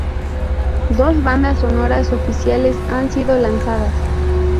Dos bandas sonoras oficiales han sido lanzadas.